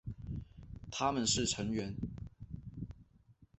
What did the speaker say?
他们是成员。